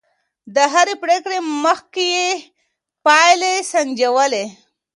د هرې پرېکړې مخکې يې پايلې سنجولې.